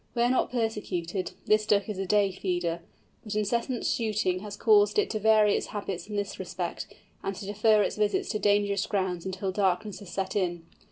Where not persecuted, this Goose is a day feeder: but incessant shooting has caused it to vary its habits in this respect, and to defer its visits to dangerous grounds until darkness has set in.